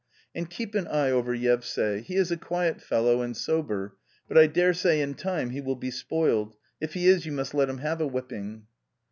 And keep an eye over Yevsay : he is a quiet fellow and sober, but I daresay in time he will be spoiled, if he is you must let him have a whipping."